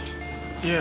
いえ